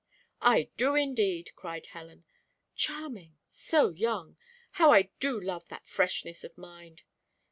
"I do, indeed," cried Helen. "Charming so young! How I do love that freshness of mind!"